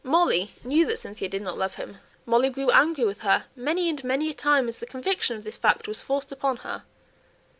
Molly knew that Cynthia did not love him. Molly grew angry with her many and many a time as the conviction of this fact was forced upon her.